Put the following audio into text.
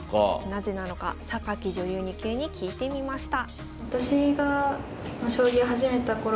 なぜなのか女流２級に聞いてみました。